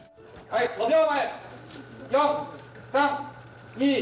はい５秒前！